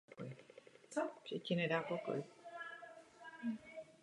Žije ve Střední Evropě.